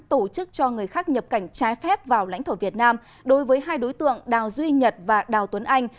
tổ chức cho người khác nhập cảnh trái phép vào lãnh thổ việt nam đối với hai đối tượng đào duy nhật và đào tuấn anh